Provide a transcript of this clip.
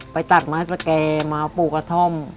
ไปตัดม้าสะแกม้ปลูกกระท่ม